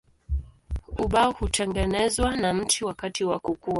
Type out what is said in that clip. Ubao hutengenezwa na mti wakati wa kukua.